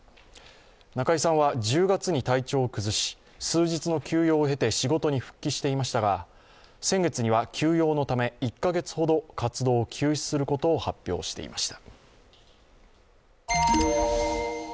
中居さんは１０月に体調を崩し、数日の休養を経て仕事に復帰していましたが先月には休養のため１か月ほど活動休止することを発表していました。